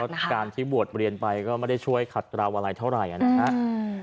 แล้วการที่บวชเรียนไปก็ไม่ได้ช่วยขัดกราวอะไรเท่าไหร่นะครับ